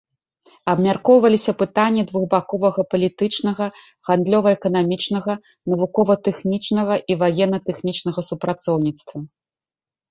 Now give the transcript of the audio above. Абмяркоўваліся пытанні двухбаковага палітычнага, гандлёва-эканамічнага, навукова-тэхнічнага і ваенна-тэхнічнага супрацоўніцтва.